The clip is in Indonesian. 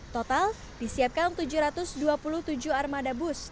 total disiapkan tujuh ratus dua puluh tujuh armada bus